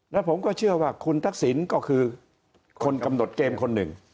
แล้วผมก็เชื่อว่าคุณทักษิณก็คือคนกำหนดเกมคนหนึ่ง